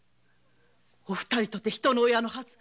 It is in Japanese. お二人とて人の親のはず。